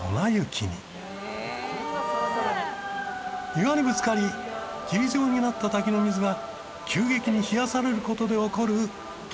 岩にぶつかり霧状になった滝の水が急激に冷やされる事で起こる現象。